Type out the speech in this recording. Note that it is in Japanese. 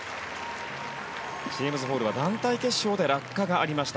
ジェームズ・ホールは団体決勝で落下がありました